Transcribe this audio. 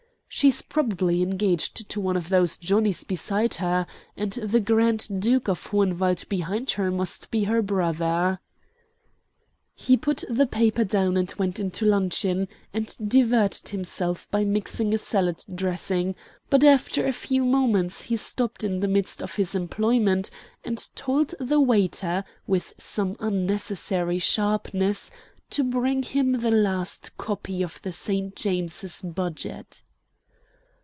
"She's probably engaged to one of those Johnnies beside her, and the Grand Duke of Hohenwald behind her must be her brother." He put the paper down and went into luncheon, and diverted himself by mixing a salad dressing; but after a few moments he stopped in the midst of this employment, and told the waiter, with some unnecessary sharpness, to bring him the last copy of the St. James Budget.